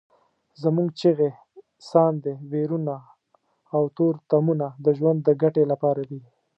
زموږ چیغې، ساندې، ویرونه او تورتمونه د ژوند د ګټې لپاره دي.